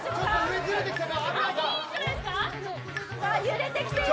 揺れてきている。